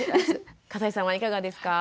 笠井さんはいかがですか？